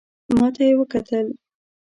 ماته یې وکتل .